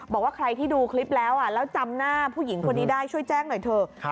บอกว่าใครที่ดูคลิปแล้วแล้วจำหน้าผู้หญิงคนนี้ได้ช่วยแจ้งหน่อยเถอะ